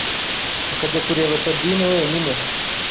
akajya kureba Sabine wenyine.